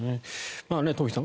トンフィさん